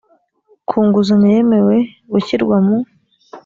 ku nguzanyo yemewe gushyirwa mu